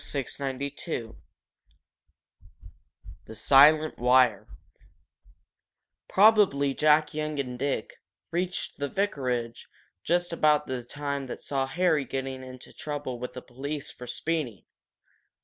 CHAPTER XII THE SILENT WIRE Probably Jack Young and Dick reached the vicarage just about the time that saw Harry getting into trouble with the police for speeding.